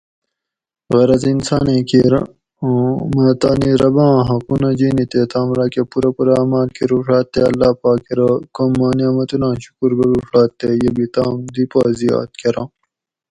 "غرض انسانیں کیر اُوں مہ تانی رباں حقونہ جینی تے تام راۤکہ پورہ پورہ عماۤل کروڛاۤت تے اللّہ پاک ارو ""کم ماں نعمتونہ آں شکر گۤڑوڛات تے یہ بھی تام دی پا زیات کۤراں"